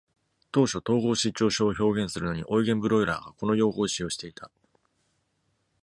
当初、統合失調症を表現するのにオイゲン・ブロイラーがこの用語を使用していた。